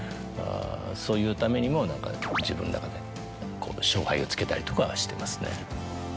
そういうためにも何か自分の中で勝敗をつけたりとかはしてますね。